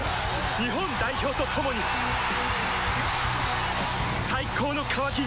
日本代表と共に最高の渇きにＤＲＹ